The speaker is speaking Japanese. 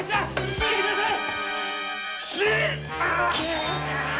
逃げてください！